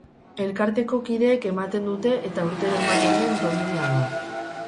Elkarteko kideek ematen dute eta urtero ematen den domina da.